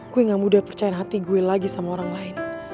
gue gak mudah percaya hati gue lagi sama orang lain